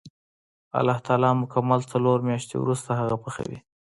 الله تعالی مکمل څلور میاشتې وروسته هغه پخوي.